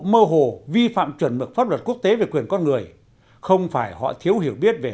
mơ hồ vi phạm chuẩn mực pháp luật quốc tế về quyền con người không phải họ thiếu hiểu biết về